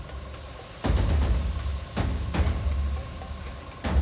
โดนไปเยอะแค่นั้นแหละ